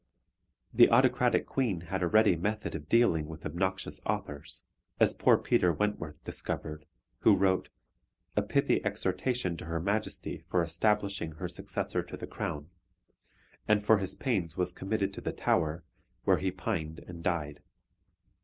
The autocratic Queen had a ready method of dealing with obnoxious authors, as poor Peter Wentworth discovered, who wrote A Pithy Exhortation to Her Majesty for establishing her Successor to the Crown, and for his pains was committed to the Tower, where he pined and died.